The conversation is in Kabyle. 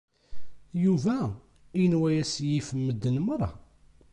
Yuba yenwa-yas yif medden meṛṛa.